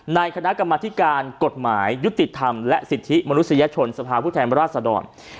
คณะกรรมธิการกฎหมายยุติธรรมและสิทธิมนุษยชนสภาพผู้แทนราชดร